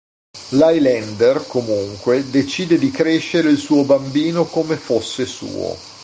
L'Highlander, comunque, decide di crescere il suo bambino come fosse suo.